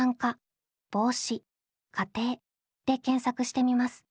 で検索してみます。